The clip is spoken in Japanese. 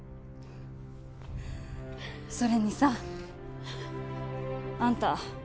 それにさあんた